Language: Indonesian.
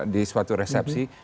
di suatu resepsi